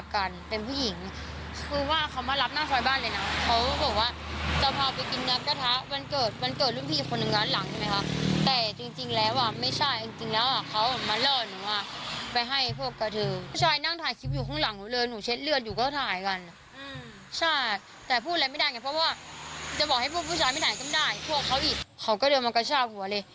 เขาก็เดี๋ยวมากัชช่าต์หัวเลย